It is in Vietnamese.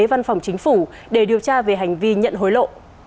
văn phòng chính phủ để điều tra về hành vi nhận hối lộ